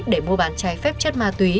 để mua bán trái phép chất ma túy